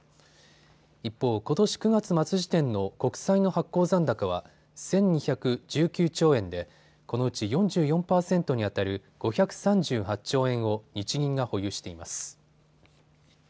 一方、ことし９月末時点の国債の発行残高は１２１９兆円でこのうち４４％にあたる５３８兆円を日銀が保有しています。